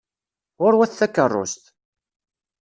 Ɣur-wet takeṛṛust!